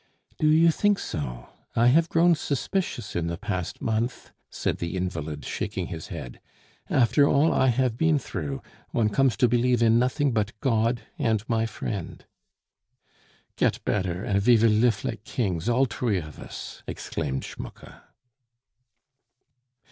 "Do you think so? I have grown suspicious in the past month," said the invalid, shaking his head. "After all I have been through, one comes to believe in nothing but God and my friend " "Get bedder, and ve vill lif like kings, all tree of us," exclaimed Schmucke.